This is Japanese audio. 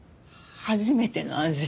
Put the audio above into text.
初めての味。